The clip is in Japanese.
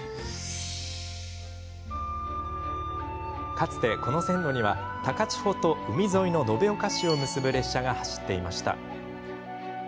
かつてこの線路には高千穂と海沿いの延岡市を結ぶ列車が走っていました。